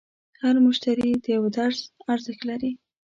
هر مشتری د یوه درس ارزښت لري.